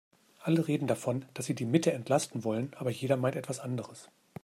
Alle reden davon, dass sie die Mitte entlasten wollen, aber jeder meint etwas anderes.